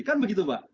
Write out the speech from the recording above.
kan begitu mbak